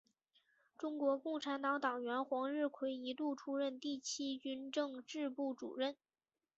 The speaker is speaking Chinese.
中国共产党党员黄日葵一度出任第七军政治部主任。